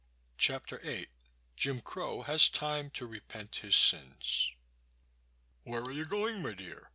Chapter VIII Jim Crow Has Time to Repent His Sins "WHERE are you going, my dear?"